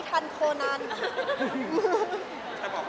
สั่งคำให้หน่อย